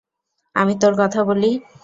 আমি তোর কথা বলি?